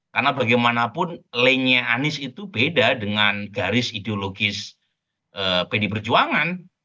karena bagaimanapun lainnya anies itu beda dengan garis ideologis dpd perjuangan